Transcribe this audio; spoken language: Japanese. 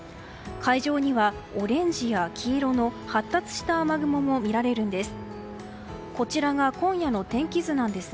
海上にはオレンジや黄色の発達した雨雲も見られるんです。